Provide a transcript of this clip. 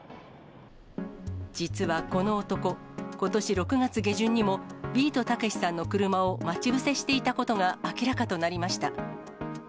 実はこの男、ことし６月下旬にも、ビートたけしさんの車を待ち伏せしていたことが明らかとなりました。